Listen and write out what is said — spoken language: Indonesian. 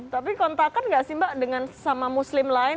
tapi kontakan nggak sih mbak dengan sama muslim lain